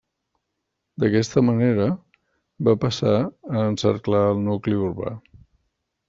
D'aquesta manera, va passar a encerclar el nucli urbà.